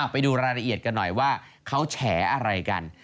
ไปดูรายละเอียดกันหน่อยว่าเขาแฉอะไรกัน